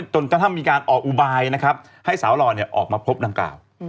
จนกระทั่งมีการออกอุบายนะครับให้สาวหล่อออกมาพบดังกล่าว